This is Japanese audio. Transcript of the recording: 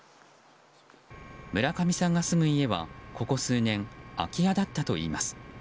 村上さんが住む家は、ここ数年空き家だったといいます。